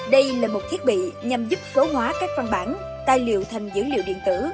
đây là một thiết bị nhằm giúp số hóa các văn bản tài liệu thành dữ liệu điện tử